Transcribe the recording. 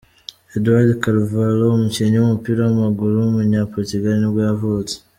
Eduardo Calvalho, umukinnyi w’umupira w’amaguru w’umunyaportugal nibwo yavutse.